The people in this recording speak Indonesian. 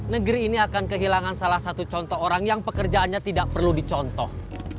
negeri ini akan kehilangan salah satu contoh orang yang pekerjaannya tidak perlu dicontoh